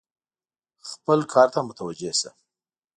خپل کار ته متوجه شه !